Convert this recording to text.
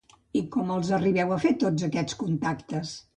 I com els arribeu a fer tots aquests contactes?